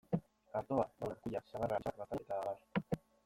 Artoa, babarruna, kuia, sagarra, intxaurra, gaztaina eta abar.